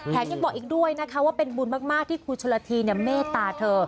ยังบอกอีกด้วยนะคะว่าเป็นบุญมากที่ครูชนละทีเมตตาเธอ